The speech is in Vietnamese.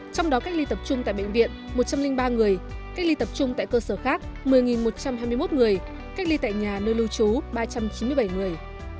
trong đó cách ly tập trung tại bệnh viện một trăm linh ba người cách ly tập trung tại cơ sở khác một mươi một trăm hai mươi một người cách ly tại nhà nơi lưu trú ba trăm chín mươi bảy người